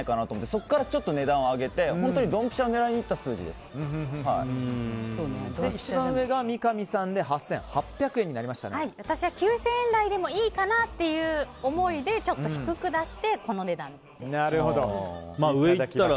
そこからちょっと値段を上げて本当にどんぴしゃを一番上が三上さんで私は９０００円台でもいいかなという思いでちょっと低く出してこの値段です。